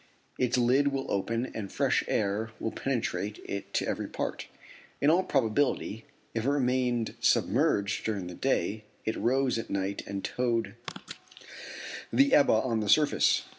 Its lid will open and fresh air will penetrate it to every part. In all probability, if it remained submerged during the day it rose at night and towed the Ebba on the surface.